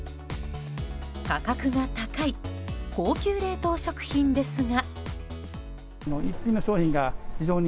価格が高い高級冷凍食品ですが。